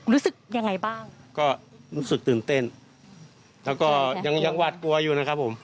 รู้สึกยังไงบ้างก็รู้สึกตื่นเต้นแล้วก็ยังยังหวาดกลัวอยู่นะครับผม